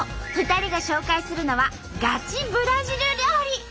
２人が紹介するのはガチブラジル料理！